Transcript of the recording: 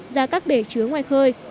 ra các bể chứa ngoài khơi